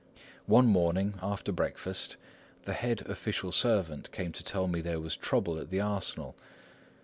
One morning, after breakfast, the head official servant came to tell me there was trouble at the arsenal.